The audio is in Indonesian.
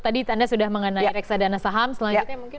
tadi anda sudah mengenai reksadana saham selanjutnya mungkin